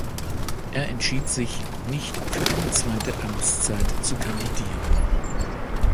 Er entschied sich, nicht für eine zweite Amtszeit zu kandidieren.